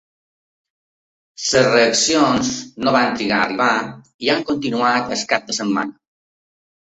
Les reaccions no van trigar a arribar i han continuat el cap de setmana.